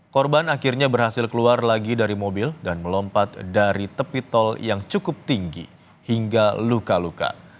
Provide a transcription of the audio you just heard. korban akhirnya berhasil keluar lagi dari mobil dan melompat dari tepi tol yang cukup tinggi hingga luka luka